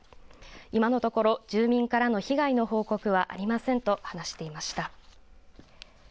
今のところ住民からの被害の報告はありませんと話していました。